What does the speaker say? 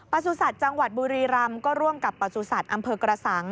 สุสัตว์จังหวัดบุรีรำก็ร่วมกับประสุทธิ์อำเภอกระสัง